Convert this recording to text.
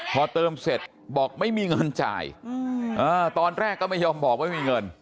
พอเติมเสร็จบอกไม่มีเงินจ่ายตอนแรกก็ไม่ยอมบอกว่ามีเงิน